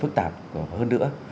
phức tạp hơn nữa